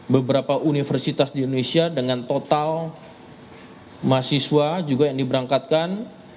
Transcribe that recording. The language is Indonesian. beberapa universitas di indonesia dengan total mahasiswa juga yang diberangkatkan